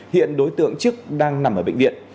hiện đối tượng trước đang nằm ở bệnh viện